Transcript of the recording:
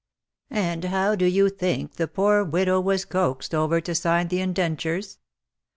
And how do you think the poor widow was coaxed over to sign the indentures